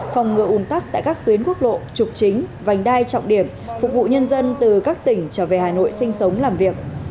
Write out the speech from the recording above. phòng ngừa ủn tắc tại các tuyến quốc lộ trục chính vành đai trọng điểm phục vụ nhân dân từ các tỉnh trở về hà nội sinh sống làm việc